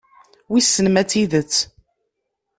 Wissen ma d tidet.